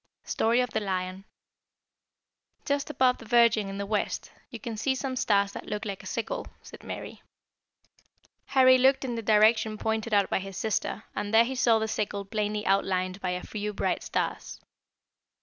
STORY OF THE LION. "Just above the Virgin, in the west, you can see some stars that look like a sickle," said Mary. [Illustration: LEO, THE LION.] Harry looked in the direction pointed out by his sister, and there he saw the sickle plainly outlined by a few bright stars.